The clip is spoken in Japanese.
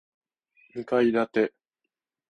二階建て